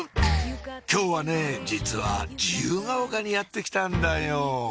今日はね実は自由が丘にやって来たんだよ